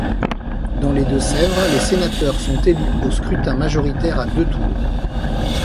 Dans les Deux-Sèvres, les sénateurs sont élus au scrutin majoritaire à deux tours.